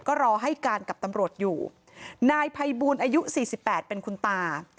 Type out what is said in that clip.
ก็รอให้การกับตำรวจอยู่นายภัยบูลอายุสี่สิบแปดเป็นคุณตา